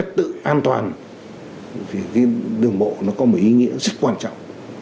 trật tự an toàn thì cái đường bộ nó có một ý nghĩa rất quan trọng